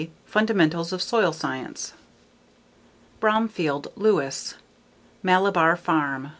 Fundamentals of Soil Science. Bromfield, Louis. _Malibar Farm.